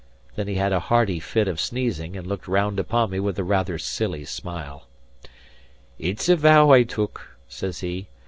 Then he had a hearty fit of sneezing, and looked round upon me with a rather silly smile. "It's a vow I took," says he.